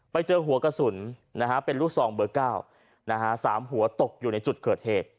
ไปเจอหัวกระสุนนะฮะเป็นลูกทรองเบอร์เก้านะฮะสามหัวตกอยู่ในจุดเกิดเหตุ